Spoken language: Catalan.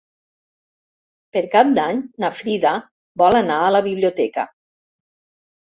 Per Cap d'Any na Frida vol anar a la biblioteca.